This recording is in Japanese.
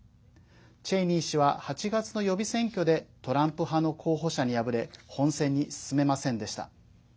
チェイニー氏は８月の予備選挙でトランプ派の候補者に敗れ本戦に進めませんでした。